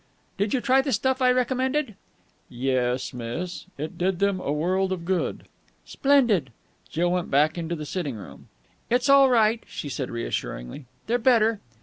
"Did you try the stuff I recommended?" "Yes, miss. It did them a world of good." "Splendid!" Jill went back into the sitting room. "It's all right," she said reassuringly. "They're better."